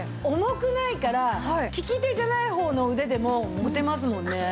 重くないから利き手じゃない方の腕でも持てますもんね。